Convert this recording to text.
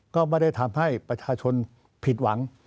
ก็ไม่ได้ทำให้ประชาชนผิดหวัง